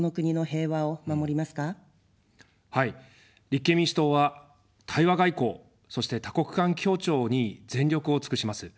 立憲民主党は対話外交、そして多国間協調に全力を尽くします。